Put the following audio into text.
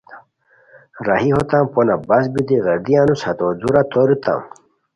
راہی ہوتام پونہ بس بیتی غیردی انوس ہتو دُورہ تورتام